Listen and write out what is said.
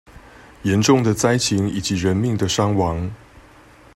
嚴重的災情以及人命的傷亡